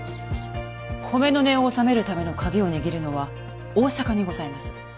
米の値をおさめるための鍵を握るのは大坂にございます。